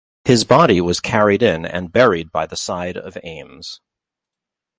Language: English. His body was carried in and buried by the side of Ames.